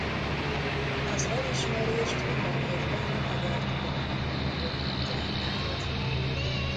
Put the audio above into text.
Az elismerést minden évben a magyar tudomány ünnepén adják át.